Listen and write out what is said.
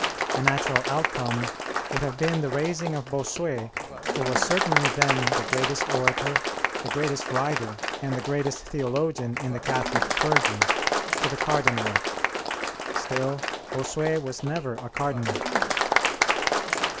A natural outcome would have been the raising of Bossuet, who was certainly then the greatest orator, the greatest writer, and the greatest theologian in the Catholic clergy, to the Cardinalate. Still Bossuet was never a cardinal.